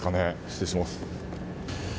失礼します。